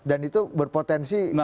dan itu berpotensi dianggap radikal